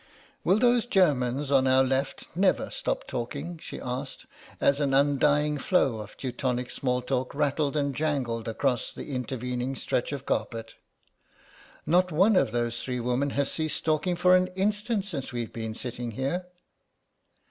"Will those Germans on our left never stop talking?" she asked, as an undying flow of Teutonic small talk rattled and jangled across the intervening stretch of carpet. "Not one of those three women has ceased talking for an instant since we've been sitting here."